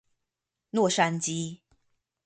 洛杉磯